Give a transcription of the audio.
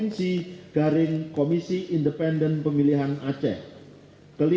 ketiga menetapkan dari kpp daerah pemilihan emperor